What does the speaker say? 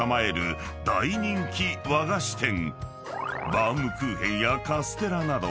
［バウムクーヘンやカステラなど］